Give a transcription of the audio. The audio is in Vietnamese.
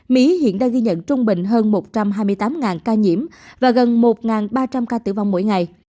mỹ hiện đang ghi nhận trung bình hơn một trăm hai mươi tám ca nhiễm và gần một ba trăm linh ca tử vong mỗi ngày